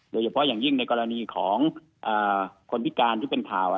โดยเฉพาะอย่างยิ่งในกรณีของคนพิการที่เป็นข่าว